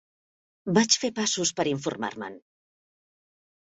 Vaig fer passos per informar-me'n.